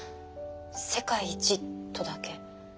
「世界一」とだけ。